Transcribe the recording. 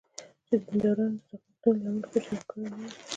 چې دیندارانو د ځانغوښتنې لمن خوشې کړې نه وي.